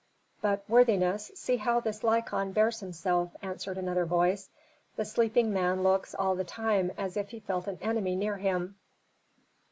"But, worthiness, see how this Lykon bears himself," answered another voice. "The sleeping man looks all the time as if he felt an enemy near him."